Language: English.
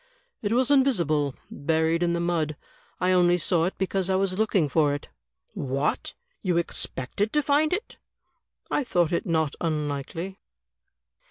"It was invisible, buried in the mud. I only saw it because I was looking for it." "What! you expected to find it?" "I thought it not imlikely."